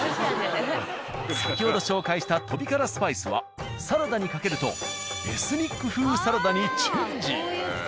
先ほど紹介したとび辛スパイスはサラダにかけるとエスニック風サラダにチェンジ。